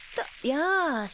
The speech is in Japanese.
よし。